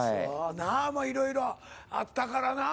なあもういろいろあったからな。